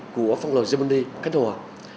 của phong lòi gemini cánh hòa